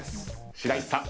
白石さん。